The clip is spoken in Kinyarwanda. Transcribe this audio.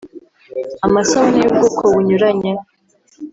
amasabune y’ubwoko bunyuranye